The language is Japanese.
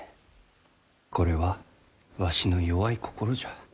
これはわしの弱い心じゃ。